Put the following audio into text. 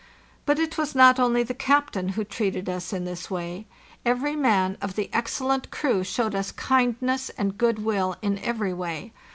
But it was not only the captain who treated us in this way. Every man of the excellent crew showed us kindness and goodwill in every way.